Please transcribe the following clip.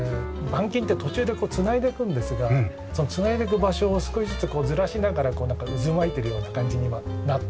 板金って途中で繋いでいくんですがその繋いでいく場所を少しずつこうずらしながら渦巻いているような感じにはなってる。